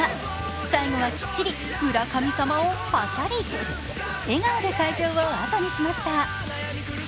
最後はきっちり、村神様をパシャリ笑顔で会場をあとにしました。